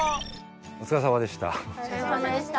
おつかれさまでした。